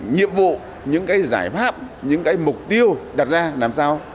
nhiệm vụ những cái giải pháp những cái mục tiêu đặt ra làm sao